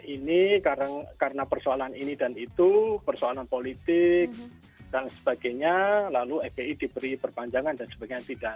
ini karena persoalan ini dan itu persoalan politik dan sebagainya lalu fpi diberi perpanjangan dan sebagainya tidak